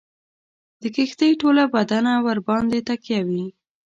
د کښتۍ ټوله بدنه ورباندي تکیه وي.